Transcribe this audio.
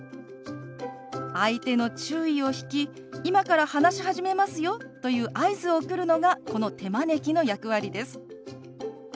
相手の注意を引き「今から話し始めますよ」という合図を送るのがこの手招きの役割です。